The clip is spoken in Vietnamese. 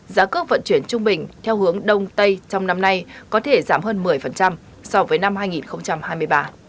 giá cước vận chuyển trung bình theo hướng đông tây trong năm nay có thể giảm hơn một mươi so với năm hai nghìn hai mươi ba